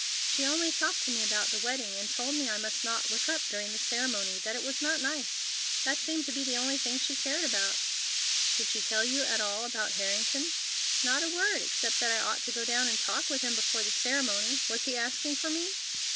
"She only talked to me about the wedding, and told me I must not look up during the ceremony, that it was not nice. That seemed to be the only thing she cared about." "Didn't she tell you at all about Harrington?" "Not a word, except that I ought to go down and talk with him before the ceremony? Was he asking for me?"